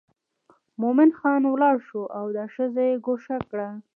مومن خان ولاړ شو او دا ښځه یې ګوښه کړه.